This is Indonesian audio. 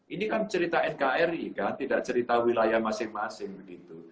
ini kan cerita nkri kan tidak cerita wilayah masing masing begitu